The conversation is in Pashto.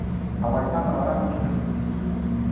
افغانستان د باران له مخې پېژندل کېږي.